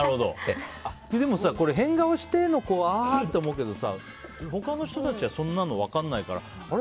でもさ、変顔しての子はわーって思うけどさ他の人たちはそんなの分からないからあれ？